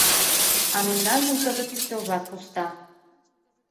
А мемнанжын кызыт ӱстелжат пуста.